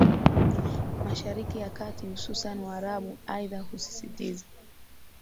mashariki ya Kati hususan waarabu Aidha husisitiza